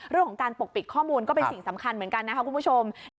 เรื่องของการปกปิดข้อมูลก็เป็นสิ่งสำคัญเหมือนกันนะคะคุณผู้ชม